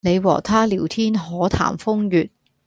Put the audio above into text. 你和他聊天可談風月